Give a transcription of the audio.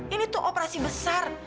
ini tuh operasi besar